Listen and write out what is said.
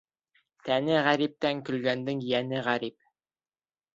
Тәне ғәриптән көлгәндең йәне ғәрип.